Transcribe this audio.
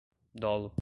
dolo